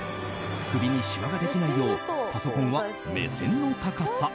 首にしわができないようパソコンは目線の高さ。